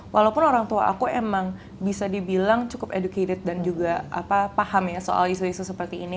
walaupun orang tua aku emang bisa dibilang cukup educated dan juga paham ya soal isu isu seperti ini